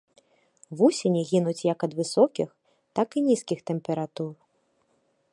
Вусені гінуць як ад высокіх, так і нізкіх тэмператур.